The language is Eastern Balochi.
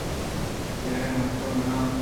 بیا من ءُ تو مِڑاں